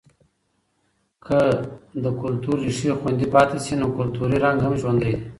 که که د کلتور ریښې خوندي پاتې شي، نو کلتوری رنګ هم ژوندی دی.